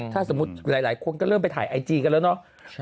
ถ้าสมมุติหลายคนก็เริ่มไปถ่ายไอจีกันแล้วเนาะ